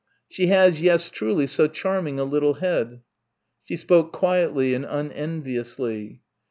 She has yes truly so charming a little head." She spoke quietly and unenviously.